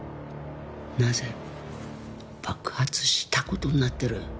なぜ爆発した事になってる？